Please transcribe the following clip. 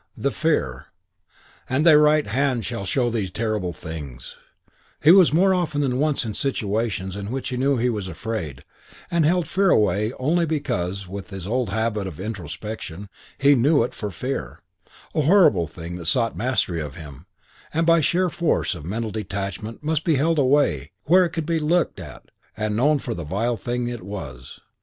The fear "And thy right hand shall show thee terrible things" He was more often than once in situations in which he knew he was afraid and held fear away only because, with his old habit of introspection, he knew it for fear, a horrible thing that sought mastery of him and by sheer force of mental detachment must be held away where it could be looked at and known for the vile thing it was.